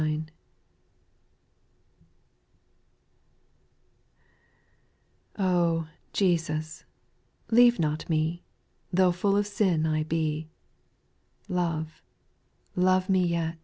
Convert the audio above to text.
/^^• Jesus, leave not me ;— U Tho' full of sin I be. Love, love me yet.